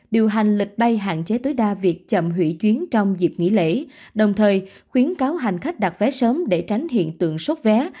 điều hành lịch bay hạn chế tối đa việc chậm hủy chuyến trong dịp nghỉ lễ đồng thời khuyến cáo hành khách đặt vé sớm để tránh hiện tượng sốt vé